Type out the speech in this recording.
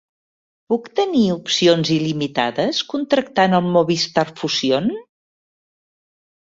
Puc tenir opcions il·limitades contractant el Movistar Fusión?